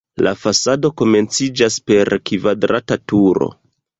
La fasado komenciĝas per kvadrata turo.